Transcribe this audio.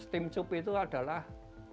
steam tube itu adalah